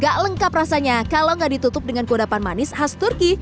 gak lengkap rasanya kalau nggak ditutup dengan kudapan manis khas turki